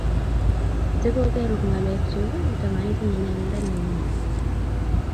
ntikokerup ng'alekchu, nto maitinye nyalilda neu noee